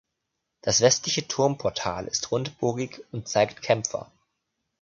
Das westliche Turmportal ist rundbogig und zeigt Kämpfer.